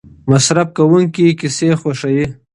مصرف کوونکي کیسې خوښوي.